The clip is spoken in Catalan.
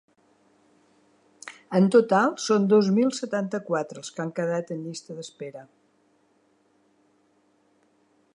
En total són dos mil setanta-quatre els que han quedat en llista d’espera.